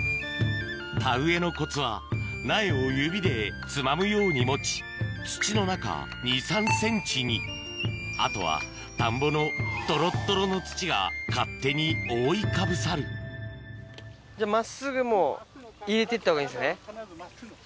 田植えのコツは苗を指でつまむように持ち土の中２３ｃｍにあとは田んぼのとろっとろの土が勝手に覆いかぶさるじゃあ真っすぐもう入れて行ったほうがいいんですね。